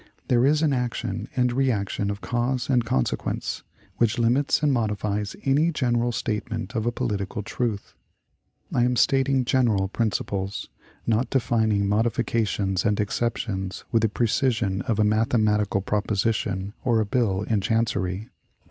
There is an action and reaction of cause and consequence, which limits and modifies any general statement of a political truth. I am stating general principles not defining modifications and exceptions with the precision of a mathematical proposition or a bill in chancery.